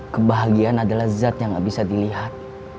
kebahagiaan adalah zat yang gak bisa dilihat